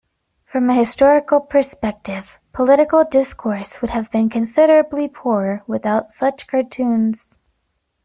From a historical perspective, political discourse would have been considerably poorer without such cartoons.